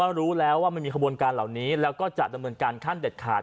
รู้แล้วว่ามันมีขบวนการเหล่านี้แล้วก็จะดำเนินการขั้นเด็ดขาด